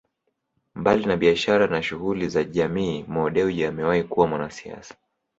Mbali na biashara na shughuli za jamii Mo Dewji amewahi kuwa mwanasiasa